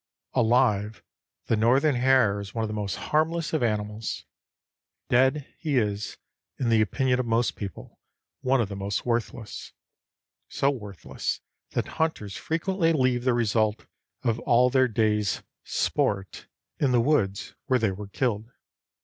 Alive, the northern hare is one of the most harmless of animals; dead, he is, in the opinion of most people, one of the most worthless; so worthless that hunters frequently leave the result of all their day's "sport" in the woods where they were killed.